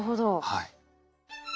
はい。